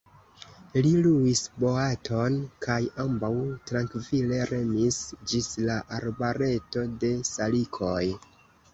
Li luis boaton kaj ambaŭ trankvile remis ĝis la arbareto de salikoj.